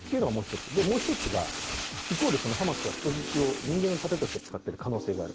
もう一つが、イコール、ハマスは人質を人間の盾として使っている可能性がある。